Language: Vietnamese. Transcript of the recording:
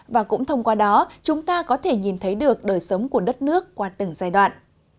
và cũng thông qua đó chúng ta có thể nhìn thấy được đời sống của đất nước qua từng giai đoạn